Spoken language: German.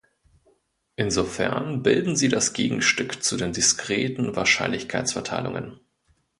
Insofern bilden sie das Gegenstück zu den diskreten Wahrscheinlichkeitsverteilungen.